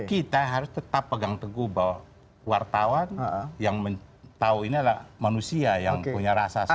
kita harus tetap pegang teguh bahwa wartawan yang tahu ini adalah manusia yang punya rasa sama